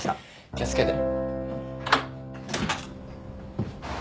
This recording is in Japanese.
気を付けて。